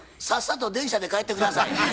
さっさと電車で帰って下さい。